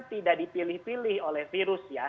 tidak dipilih pilih oleh virus ya